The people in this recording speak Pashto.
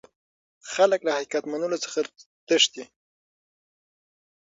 خلک له حقيقت منلو څخه تښتي.